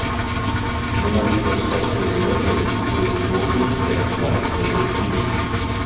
Менавіта з такой мэтай і быў зроблены пераклад гэтай кнігі.